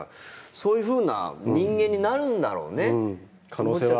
そういうふうな人間になるんだろうね。